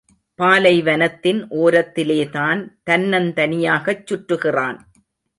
பாலைவனத்தின் ஓரத்திலேதான் தன்னந் தனியாகச் சுற்றுகிறான்.